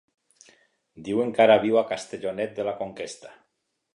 Diuen que ara viu a Castellonet de la Conquesta.